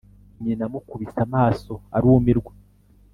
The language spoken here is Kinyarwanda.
nyina amukubise amaso arumirwa